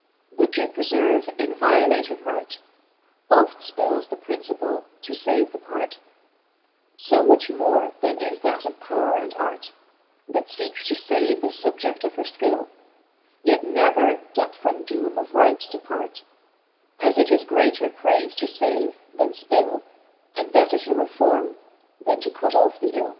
But to preferve in violated right, Oft fpilles the principall, to fave the part ; So much more then is that of powre and art, That feekes to lave the fubjed of her Ikill, Yet never doth from doome of right depart: As it is greater prayfe to fave, then fpill, And better to reforme^ then to cut off the ill.